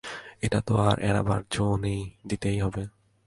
এটা তো আর এড়াবার যো নেই, দিতেই হবে।